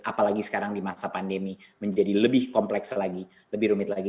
apalagi sekarang di masa pandemi menjadi lebih kompleks lagi lebih rumit lagi